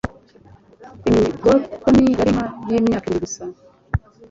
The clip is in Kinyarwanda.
Remington yari inka yimyaka ibiri gusa.